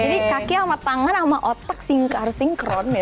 jadi kaki sama tangan sama otak harus sinkron ya